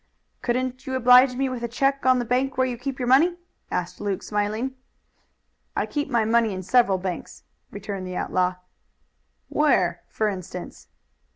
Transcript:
"Couldn't you oblige me with a check on the bank where you keep your money?" asked Luke smiling. "I keep my money in several banks," returned the outlaw. "Where, for instance?"